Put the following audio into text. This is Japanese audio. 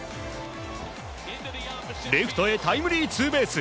レフトへタイムリーツーベース。